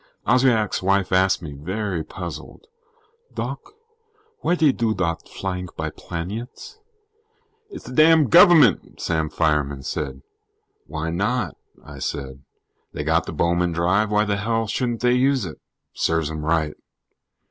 Oswiak's wife asked me, very puzzled: "Doc, w'y dey do dot flyink by planyets?" "It's the damn govermint," Sam Fireman said. "Why not?" I said. "They got the Bowman Drive, why the hell shouldn't they use it? Serves 'em right."